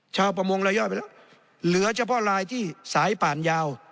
ชาวประมงรายย่อยไปแล้วเหลือเฉพาะลายที่สายป่านยาว